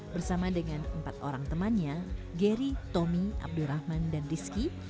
bersama dengan empat orang temannya gary tommy abdurrahman dan rizky